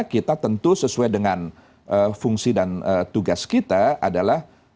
kita tentu sesuai dengan fungsi dan tugas kita adalah